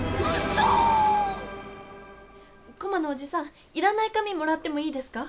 コマのおじさんいらない紙もらってもいいですか？